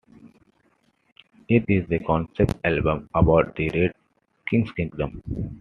It is a concept album about the Red King's kingdom.